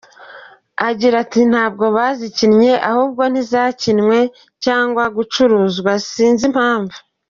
Aragira ati:"Ntabwo bazivunnye ahubwo ntizakinywe cyangwa gucurangwa sinzi impamvu.